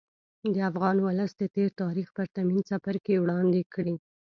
د افغان ولس د تېر تاریخ پرتمین څپرکی وړاندې کړي.